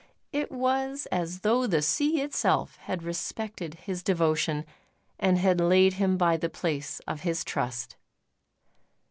It was as though the sea itself had respected his devotion, and had laid him by the place of his Trust.